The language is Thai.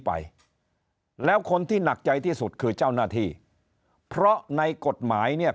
ไปแล้วคนที่หนักใจที่สุดคือเจ้าหน้าที่เพราะในกฎหมายเนี่ย